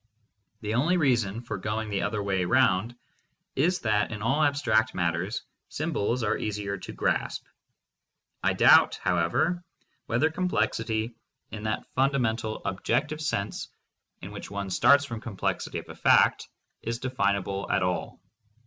The only reason for going the other way round is that in all abstract matters symbols are easier to grasp. I doubt, however, whether complexity, in that fundamental objec tive sense in which one starts from complexity of a fact, is definable at all.